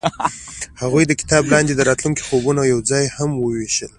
هغوی د کتاب لاندې د راتلونکي خوبونه یوځای هم وویشل.